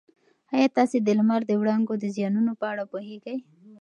ایا تاسي د لمر د وړانګو د زیانونو په اړه پوهېږئ؟